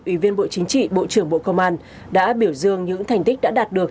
ủy viên bộ chính trị bộ trưởng bộ công an đã biểu dương những thành tích đã đạt được